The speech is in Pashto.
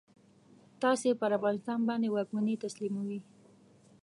تاسې پر افغانستان باندي واکمني تسلیموي.